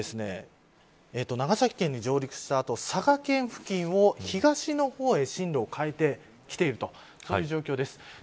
九州の長崎県に上陸した後佐賀県付近を東の方へ進路を変えてきているそういう状況です。